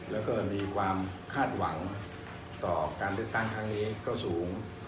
แล้วก็มีความคาดหวังต่อการเลือกตั้งครั้งนี้ก็สูง